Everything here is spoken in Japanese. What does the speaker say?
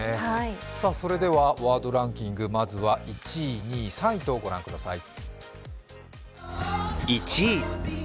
それではワードランキングまずは１位、２位、３位とご覧ください。